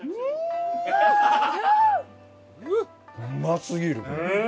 うますぎるこれ。